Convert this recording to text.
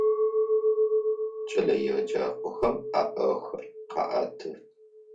Кӏэлэеджакӏохэм аӏэхэр къаӏэты.